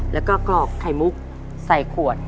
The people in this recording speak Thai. แล้วก็กรอกไข่มุกใส่ขวด